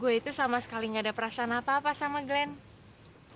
gue itu sama sekali gak ada perasaan apa apa sama glenn